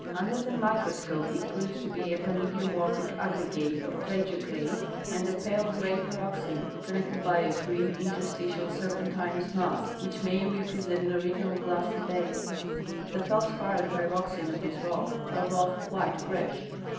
Under the microscope it proves to be a panidiomorphic aggregate of plagio clase and a pale gray pyroxene connected by a green interstitial serpentinous mass, which may represent an original glassy base. The feldspar and pyroxene of this rock are both quite fresh.